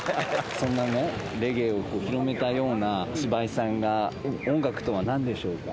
そんなね、レゲエを広めたようなシバイさんが、音楽とはなんでしょうか？